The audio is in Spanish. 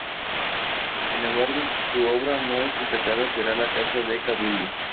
Sin embargo su obra más destacada será la Casa del Cabildo.